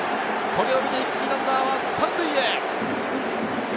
これを見て一気にランナーは３塁へ。